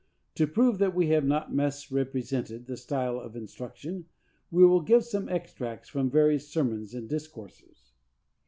To prove that we have not misrepresented the style of instruction, we will give some extracts from various sermons and discourses.